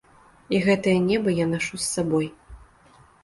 І гэтае неба я нашу з сабой.